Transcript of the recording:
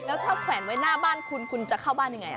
แล้วถ้าแขวนไว้หน้าบ้านคุณคุณจะเข้าบ้านยังไง